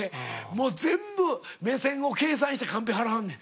もう全部目線を計算してカンペ貼らはんねん。